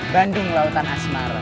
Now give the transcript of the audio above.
bandung lautan asmara